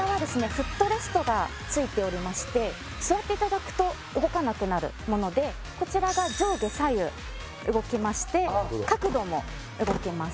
フットレストが付いておりまして座っていただくと動かなくなるものでこちらが上下左右動きまして角度も動けます